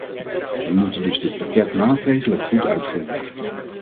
We moeten dus dit pakket maatregelen goed uitvoeren.